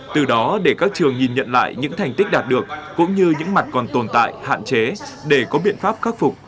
từ đó để các trường nhìn nhận lại những thành tích đạt được cũng như những mặt còn tồn tại hạn chế để có biện pháp khắc phục